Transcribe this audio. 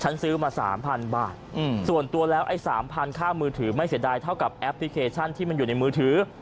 ซื้อมา๓๐๐บาทส่วนตัวแล้วไอ้สามพันค่ามือถือไม่เสียดายเท่ากับแอปพลิเคชันที่มันอยู่ในมือถือ